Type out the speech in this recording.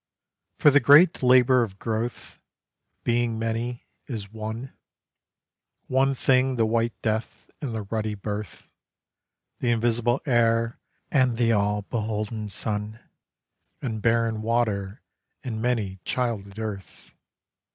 For the great labour of growth, being many, is one; One thing the white death and the ruddy birth; The invisible air and the all beholden sun, And barren water and many childed earth.